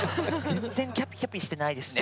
全然キャピキャピしてないですね。